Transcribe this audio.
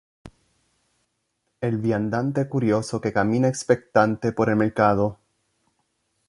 el viandante curioso que camina expectante por el mercado